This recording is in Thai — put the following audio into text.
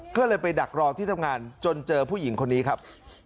ก็เลยไปดักรอที่ทำงานจนเจอผู้หญิงคนนี้ครับ